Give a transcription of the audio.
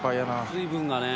水分がねぇ。